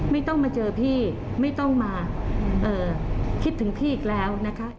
ไม่ต้องมาเจอพี่ไม่ต้องมาคิดถึงพี่อีกแล้วนะคะ